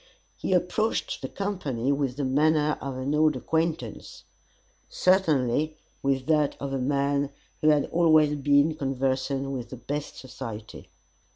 He approached the company with the manner of an old acquaintance; certainly, with that of a man who had always been conversant with the best society.